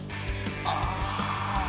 ああ。